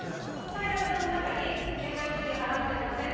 茶色い封筒の中に給食費払ってません